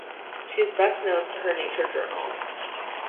She is best known for her nature journals.